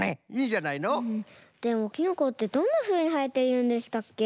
でもキノコってどんなふうにはえているんでしたっけ？